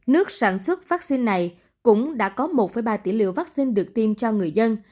nước sản xuất vắc xin này cũng đã có một ba tỷ liệu vắc xin được tiêm cho người dân